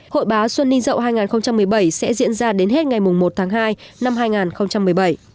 hội bá xuân ninh dậu hai nghìn một mươi bảy sẽ diễn ra đến hết ngày một tháng hai năm hai nghìn một mươi bảy